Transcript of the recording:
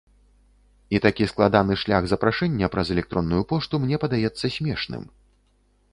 І такі складаны шлях запрашэння праз электронную пошту мне падаецца смешным.